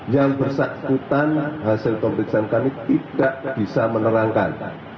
yang bersangkutan hasil pemeriksaan kami tidak bisa menerangkan